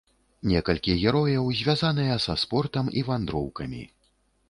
Некалькі герояў звязаныя са спортам і вандроўкамі.